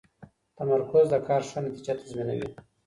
تمرکز د کار ښه نتیجه تضمینوي.